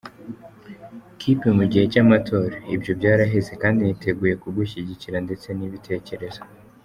kipe mu gihe cyamatora, ibyo byarahise kandi niteguye kugushyigikira ndetse nibitekerezo.